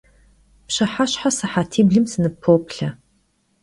Pşıheşhe sıhetiblım sınıppoplhe.